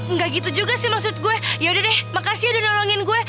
nggak gitu juga sih maksud gue yaudah deh makasih udah nolongin gue